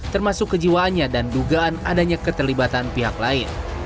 termasuk kejiwaannya dan dugaan adanya keterlibatan pihak lain